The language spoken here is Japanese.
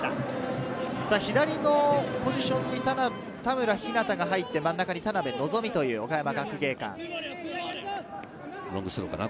左のポジションにいたのは田村日夏汰が入って真ん中に田邉望という岡山学芸館。